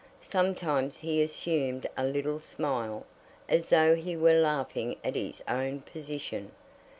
Sometimes he assumed a little smile, as though he were laughing at his own position.